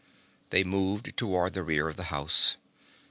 They moved toward the rear of the house.